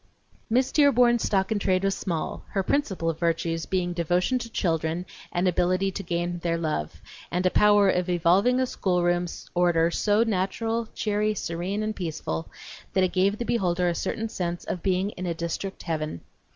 Miss Dearborn's stock in trade was small, her principal virtues being devotion to children and ability to gain their love, and a power of evolving a schoolroom order so natural, cheery, serene, and peaceful that it gave the beholder a certain sense of being in a district heaven.